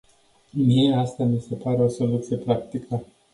Mie, asta mi se pare o soluție practică.